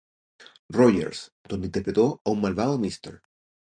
Rogers", donde interpretó a un malvado Mr.